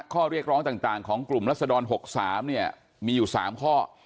ข้อเรียกร้องต่างของกลุ่มรัศดร๖๓เนี่ยมีอยู่๓ข้อ